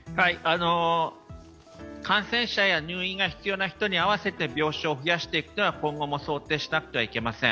感染者や入院が必要な人に合わせて病床を増やしていくというのは今後も想定しなくてはいけません。